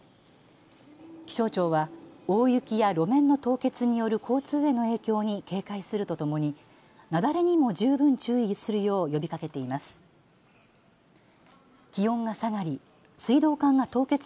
気象庁は大雪や路面の凍結による交通への影響に警戒するとともに雪崩にも十分注意するよう呼びかけています。